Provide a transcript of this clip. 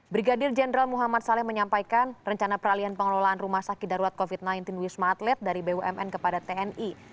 brigadir jenderal muhammad saleh menyampaikan rencana peralihan pengelolaan rumah sakit darurat covid sembilan belas wisma atlet dari bumn kepada tni